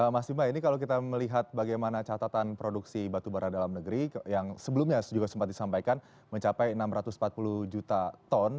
mas bima ini kalau kita melihat bagaimana catatan produksi batubara dalam negeri yang sebelumnya juga sempat disampaikan mencapai enam ratus empat puluh juta ton